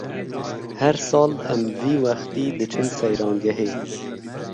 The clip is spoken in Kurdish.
Her sal em vî wextî diçin seyrangehê.